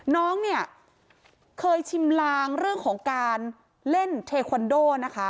น้องเนี่ยเคยชิมลางเรื่องของการเล่นเทควันโดนะคะ